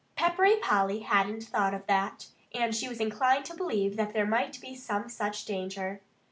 Peppery Polly hadn't thought of that. And she was inclined to believe that there might be some such danger.